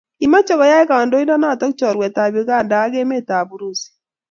kimachei koyai kandoindenoto chorwet ab Uganda ak emet ab Urusi